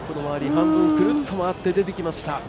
半分くるっと回って出てきました。